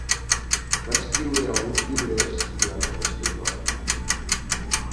Va escriure alguns llibres durant aquest període.